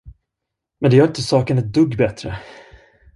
Men det gör inte saken ett dugg bättre!